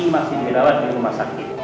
masih dirawat di rumah sakit